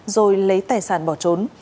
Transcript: rồi lấy tài sản bỏ trốn